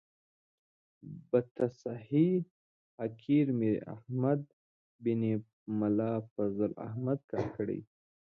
بتصحیح حقیر میر احمد بن ملا فضل احمد کاکړي.